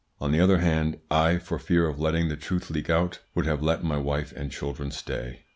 On the other hand, I, for fear of letting the truth leak out, would have let my wife and children stay."